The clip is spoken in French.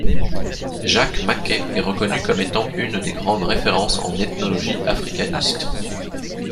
Jacques Maquet est reconnu comme étant une des grandes références en ethnologie africaniste.